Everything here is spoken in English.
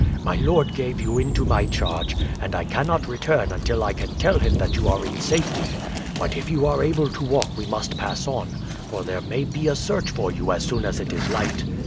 "My lord gave you into my charge, and I cannot return until I can tell him that you are in safety. But if you are able to walk we must pass on, for there may be a search for you as soon as it is light."